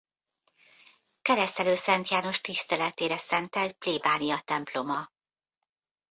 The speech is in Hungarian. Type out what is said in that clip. Keresztelő Szent János tiszteletére szentelt plébániatemploma.